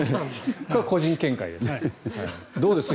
個人見解です。